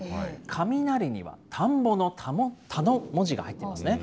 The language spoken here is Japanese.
雷には、田んぼの田の文字が入ってますね。